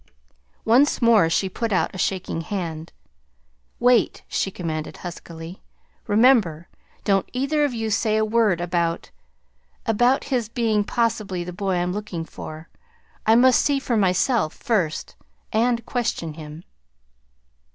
Once more she put out a shaking hand. "Wait," she commanded huskily. "Remember! Don't either of you say a word about about his being possibly the boy I'm looking for. I must see for myself first, and question him."